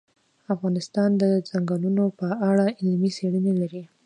افغانستان د چنګلونه په اړه علمي څېړنې لري.